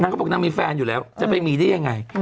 นางก็บอกละมีแฟนอยู่แล้วจะไปมีได้ยังไง